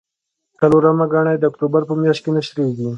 څلورمه ګڼه یې د اکتوبر په میاشت کې نشریږي.